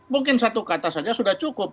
mungkin satu kata saja sudah cukup